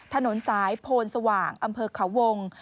ถนนสายโพนสว่างอำเภอเขาวง